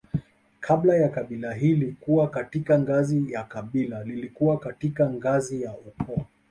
Kabla ya kabila hili kuwa katika ngazi ya kabila lilikuwa katika ngazi ya ukoo